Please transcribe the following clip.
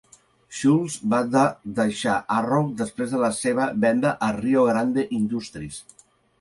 Schulze va deixar Arrow després de la seva venda a Rio Grande Industries.